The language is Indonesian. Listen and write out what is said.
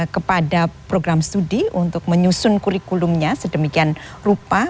kepada program studi untuk menyusun kurikulumnya sedemikian rupa